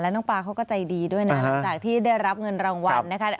น้องปลาเขาก็ใจดีด้วยนะหลังจากที่ได้รับเงินรางวัลนะคะ